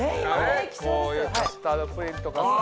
こういうカスタードプリンとかさ